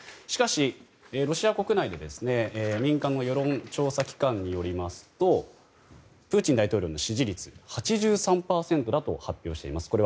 しかし、ロシア国内の民間の世論調査機関によりますとプーチン大統領の支持率は８３％だと発表しています。